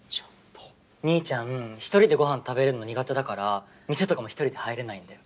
兄ちゃん１人でごはん食べるの苦手だから店とかも１人で入れないんだよ。